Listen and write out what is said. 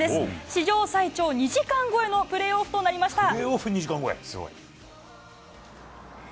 史上最長２時間超えのプレーオフとなりました。